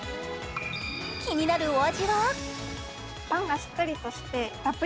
気になるお味は？